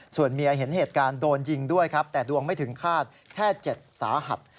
ส่วนเมียเห็นเหตุการณ์โดนยิงด้วยครับแต่ดวงไม่ถึงคาดแค่เจ็บสาหัส